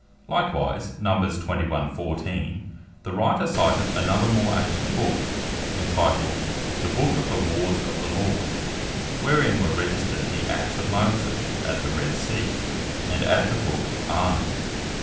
Likewise Numbers 21. Ver. 14. the Writer citeth another more ancient Book, Entituled, The Book of the Warres of the Lord, wherein were registred the Acts of Moses, at the Red sea, and at the brook of Arnon.